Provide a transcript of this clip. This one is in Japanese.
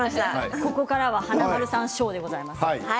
ここからは華丸さんショーです。